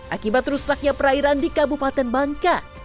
akibat rusaknya perairan di kabupaten bangka